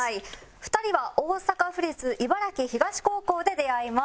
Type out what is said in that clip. ２人は大阪府立茨木東高校で出会います。